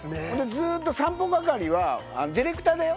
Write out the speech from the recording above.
ずっと散歩係はディレクターだよ？